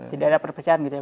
tidak ada perpecahan gitu ya